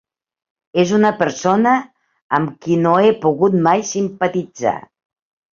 És una persona amb qui no he pogut mai simpatitzar.